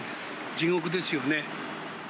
地獄ですよね。